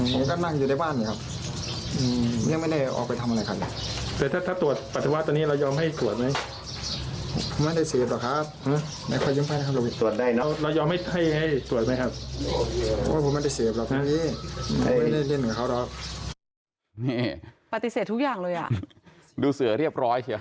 ครับผมก็นั่งอยู่ในบ้านเนี่ยครับ